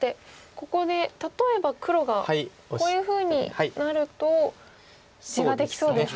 ここで例えば黒がこういうふうになると地ができそうですね。